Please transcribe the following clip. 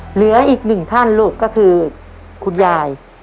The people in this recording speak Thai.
เหลืออีกหนึ่งท่านลูกก็คือคุณยาย